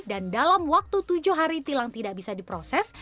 dan dalam waktu tujuh hari tilang tidak bisa diproses